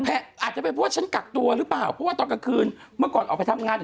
แพงอาจจะเป็นเพราะว่าดกัดตัวหรือตอนกระคืนเมื่อก่อนออกไปทำงาน